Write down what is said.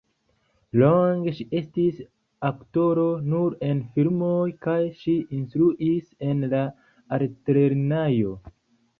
Longe ŝi estis aktoro nur en filmoj kaj ŝi instruis en la altlernejo.